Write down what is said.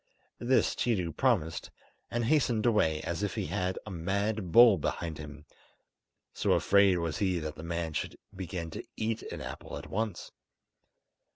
This Tiidu promised, and hastened away as if he had a mad bull behind him, so afraid was he that the man should begin to eat an apple at once.